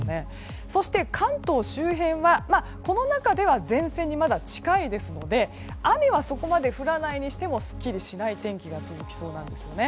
そして関東周辺はこの中では前線に近いですので雨はそこまで降らないにしてもすっきりしない天気が続きそうです。